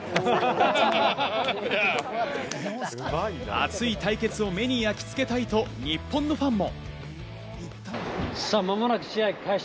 熱い対決を目に焼き付けたいと、日本のファンも。